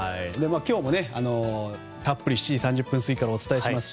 今日もたっぷりと７時３０分過ぎからお伝えします。